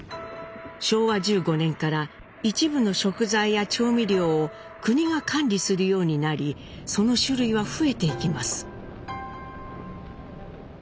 昭和１５年から一部の食材や調味料を国が管理するようになりその種類は増えていきます。